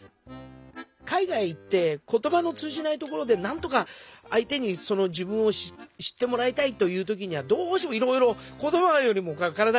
海外行って言葉の通じないところでなんとかあい手に自分を知ってもらいたいという時にはどうしてもいろいろ言葉よりも体が出るという。